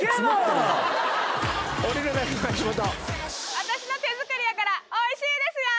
私の手作りやからおいしいですよ。